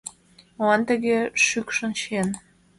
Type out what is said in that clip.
Молан тыге шӱкшын чиен?